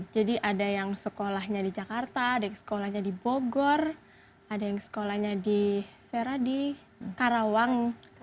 jadi ada yang sekolahnya di jakarta ada yang sekolahnya di bogor ada yang sekolahnya di karawang